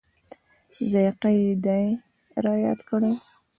ذایقه یې دای رایاد کړي.